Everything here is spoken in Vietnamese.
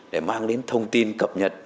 để mang đến thông tin cập nhật